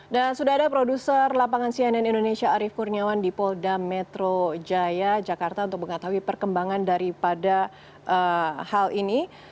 sudah ada produser lapangan cnn indonesia arief kurniawan di polda metro jaya jakarta untuk mengetahui perkembangan daripada hal ini